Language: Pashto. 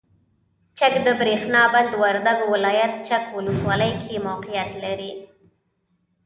چک دبریښنا بند وردګو ولایت چک ولسوالۍ کې موقعیت لري.